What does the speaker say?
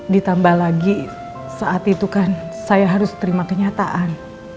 ditambah lagi saat itu kan saya harus terima kenyataan